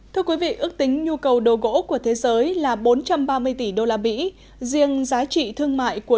thưa quý vị ước tính nhu cầu đồ gỗ của thế giới là bốn trăm ba mươi tỷ đô la mỹ riêng giá trị thương mại của